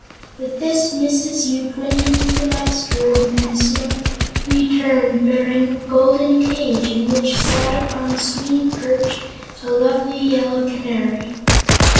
With this, Mrs. Yoop went into the next room and soon returned bearing a golden cage in which sat upon a swinging perch a lovely yellow Canary.